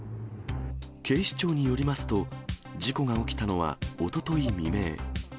警視庁によりますと、事故が起きたのは、おととい未明。